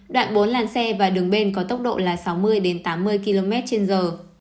đoạn bốn lăn xe và đường bên có tốc độ là sáu mươi tám mươi km trên giờ